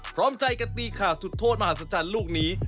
พร้อมใจกันตีข่าวสุดโทษมหาศจรรย์ลูกนี้